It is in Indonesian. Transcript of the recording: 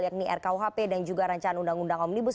yakni rkuhp dan juga rancangan undang undang omnibus